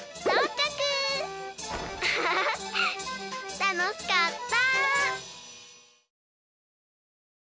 たのしかった！